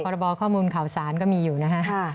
กรบข้อมูลข่าวสารก็มีอยู่นะครับ